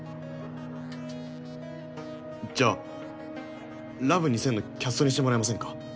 じゃあラブ２０００のキャストにしてもらえませんか？